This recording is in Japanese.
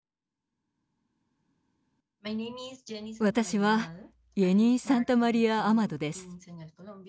私はイェニー・サンタマリア・アマドです。